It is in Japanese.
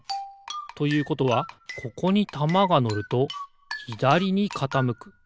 ということはここにたまがのるとひだりにかたむく。